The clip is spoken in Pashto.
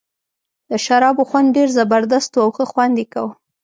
د شرابو خوند ډېر زبردست وو او ښه خوند یې کاوه.